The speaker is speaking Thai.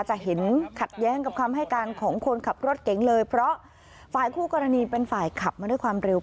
จะเห็นขัดแย้งกับคำให้การของคนขับรถเก๋งเลยเพราะฝ่ายคู่กรณีเป็นฝ่ายขับมาด้วยความเร็ว